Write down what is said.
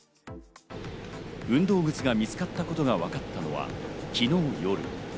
運動靴が見つかったことがわかったのは昨日の夜。